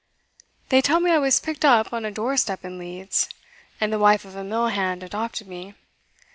They tell me I was picked up on a doorstep in Leeds, and the wife of a mill hand adopted me.